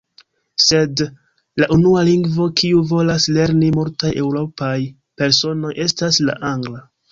Sed, la unua lingvo kiu volas lerni multaj eŭropaj personoj, estas la angla.